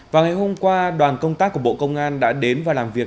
vào ngày hôm qua đoàn công tác của bộ công an đã đến và làm việc